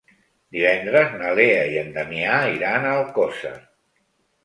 Divendres na Lea i en Damià iran a Alcosser.